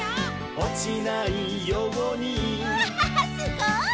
「おちないように」うわすごい！